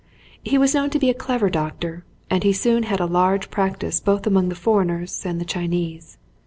He was known to be a clever doctor and he soon had a large practice both among the foreigners and the Chinese.